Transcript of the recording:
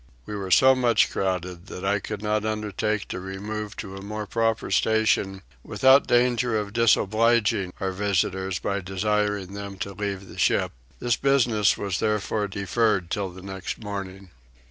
We were so much crowded that I could not undertake to remove to a more proper station without danger of disobliging our visitors by desiring them to leave the ship: this business was therefore deferred till the next morning.